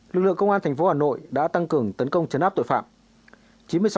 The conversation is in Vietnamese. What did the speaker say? lực lượng công an tp hà nội đã tăng cường tấn công chấn áp tội phạm